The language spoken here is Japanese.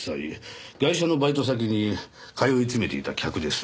ガイシャのバイト先に通いつめていた客です。